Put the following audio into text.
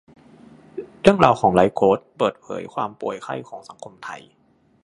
เรื่องราวของไลฟ์โค้ชเปิดเผยความป่วยไข้ของสังคมไทย